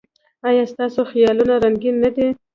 ایا ستاسو خیالونه رنګین نه دي؟